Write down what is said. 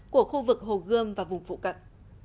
của khu vực hồ gươm và vùng phụ cận